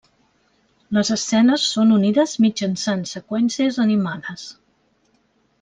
Les escenes són unides mitjançant seqüències animades.